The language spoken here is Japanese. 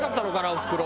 おふくろ。